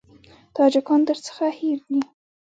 تاجکان درڅخه هېر دي.